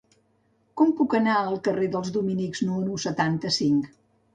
Com puc anar al carrer dels Dominics número setanta-cinc?